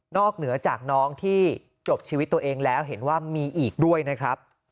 เหนือจากน้องที่จบชีวิตตัวเองแล้วเห็นว่ามีอีกด้วยนะครับ